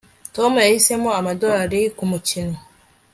Tom yahisemo amadorari kumukino